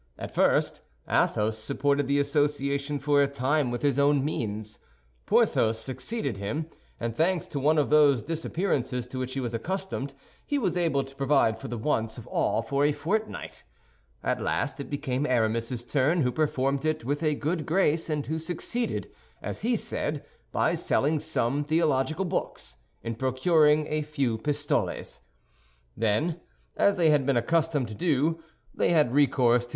At first, Athos supported the association for a time with his own means. Porthos succeeded him; and thanks to one of those disappearances to which he was accustomed, he was able to provide for the wants of all for a fortnight. At last it became Aramis's turn, who performed it with a good grace and who succeeded—as he said, by selling some theological books—in procuring a few pistoles. Then, as they had been accustomed to do, they had recourse to M.